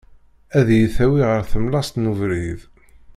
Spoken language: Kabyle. Ad iyi-tawi ɣer tlemmast n ubrid.